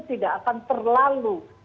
tidak akan terlalu